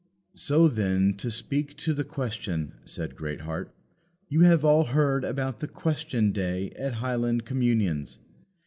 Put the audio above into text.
"So then, to speak to the question," said Greatheart. You have all heard about the "question day" at Highland communions.